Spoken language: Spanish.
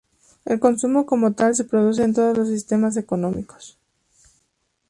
El consumo como tal se produce en todos los sistemas económicos.